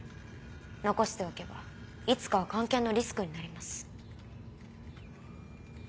残しておけばいつかは菅研のリスクになります。